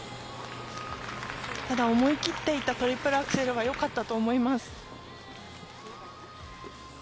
ただ、思い切っていったトリプルアクセルは良かったと思います。